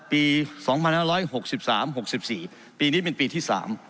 ปี๒๕๖๓๖๔ปีนี้เป็นปีที่๓